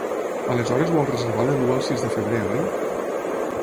Aleshores vol reservar de l'u al sis de febrer, oi?